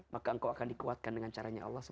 maka engkau akan dikuatkan dengan caranya allah